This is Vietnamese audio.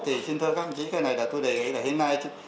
thì xin thưa các ông chí cái này là tôi đề nghị là hiện nay